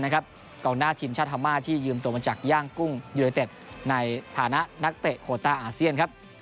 กองหน้าทีมชาติพม่าที่ยืมตัวมาจากย่างกุ้งยูเนเต็ดในฐานะนักเตะโคต้าอาเซียนครับ